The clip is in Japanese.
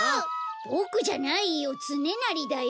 ボクじゃないよつねなりだよ。